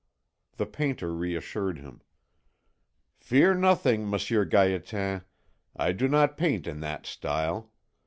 The painter reassured him. "Fear nothing, Monsieur Gaétan. I do not paint in that style.